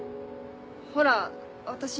ほら私